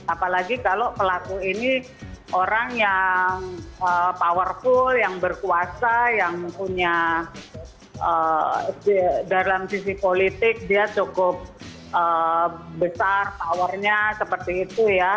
apalagi kalau pelaku ini orang yang powerful yang berkuasa yang punya dalam sisi politik dia cukup besar powernya seperti itu ya